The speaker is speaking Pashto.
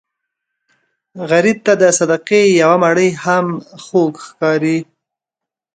غریب ته د صدقې یو مړۍ هم خوږ ښکاري